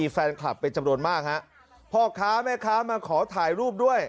แฟนคลับเป็นจำนวนมากฮะพ่อค้าแม่ค้ามาขอถ่ายรูปด้วย